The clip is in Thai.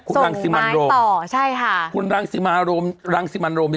คุณรังษิมันโรมคุณรังษิมันโรมคุณรังษิมันโรมนี้